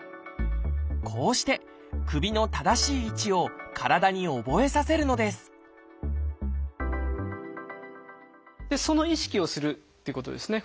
こうして首の正しい位置を体に覚えさせるのですその意識をするっていうことですね。